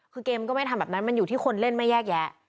คือเกมก็ไม่ทำแบบนั้นมันอยู่ที่คนเล่นไม่แยกแยะ